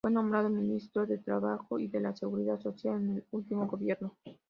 Fue nombrado ministro de Trabajo y de la Seguridad Social en el último gobierno.